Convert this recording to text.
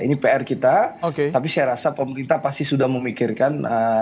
ini pr kita tapi saya rasa pemerintah pasti sudah memikirkan